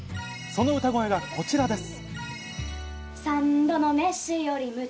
その歌声がこちらです。